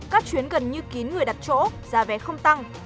các chuyến gần như kín người đặt chỗ giá vé không tăng